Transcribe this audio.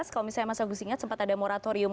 kalau misalnya mas agus ingat sempat ada moratorium